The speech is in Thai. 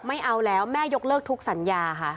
ไม่เอาแล้วแม่ยกเลิกทุกสัญญาค่ะ